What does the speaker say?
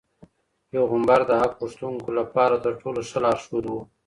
پيغمبر د حق غوښتونکو لپاره تر ټولو ښه لارښود و.